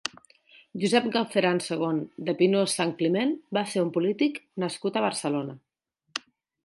Josep Galceran segon de Pinós-Santcliment va ser un polític nascut a Barcelona.